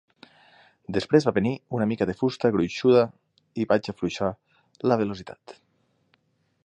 Després va venir una mica de fusta gruixuda i vaig afluixar la velocitat.